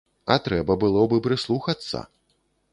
А трэба было б і прыслухацца.